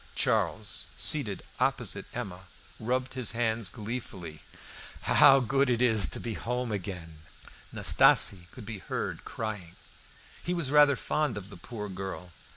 Charles, seated opposite Emma, rubbed his hands gleefully. "How good it is to be at home again!" Nastasie could be heard crying. He was rather fond of the poor girl.